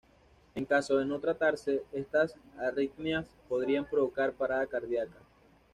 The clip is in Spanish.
En caso de no tratarse, estas arritmias podrían provocar parada cardiaca.